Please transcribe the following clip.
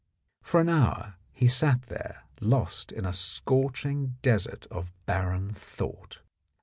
For an hour he sat there lost in a scorching desert of barren thought.